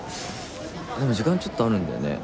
でも時間ちょっとあるんだよね。